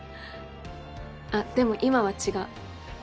あっでも今は違う。